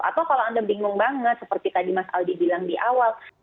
atau kalau anda bingung banget seperti tadi mas aldi bilang di awal